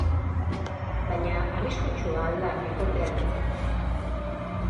Baina arriskutsua al da bikotearentzako?